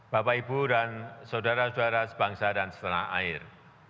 bapak ibu dan saudara saudara sebangsa dan setanah air